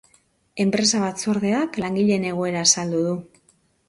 Enpresa-batzordeak langileen egoera azaldu du.